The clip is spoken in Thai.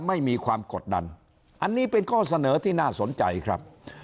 ไม่มีความกดดันอันนี้เป็นข้อเสนอที่น่าสนใจครับ